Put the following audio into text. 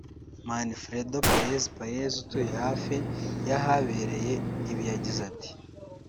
Manfredo Paez Paez utuye hafi y’ahabereye ibi yagize ati